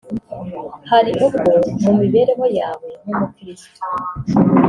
Hari ubwo mu mibereho yawe nk’umukiristu